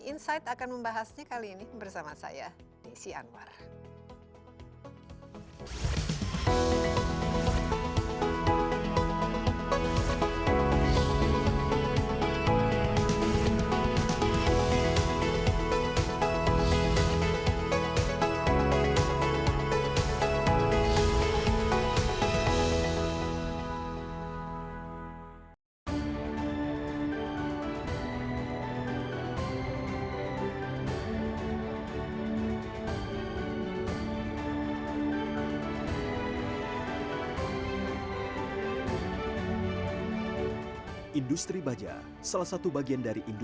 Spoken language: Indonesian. insight akan membahasnya kali ini bersama saya nisian